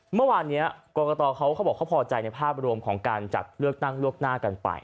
เมื่อวานนี้กรกตเขาบอกเขาพอใจในภาพรวมของการจัดเลือกตั้งล่วงหน้ากันไป